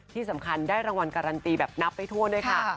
ที่สำคัญได้รางวัลการันตีแบบนับไปทั่วด้วยค่ะ